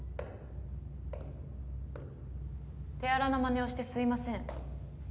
手荒なまねをしてすいません。